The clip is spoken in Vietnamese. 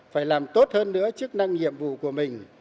phải làm tốt hơn nữa chức năng nhiệm vụ của mình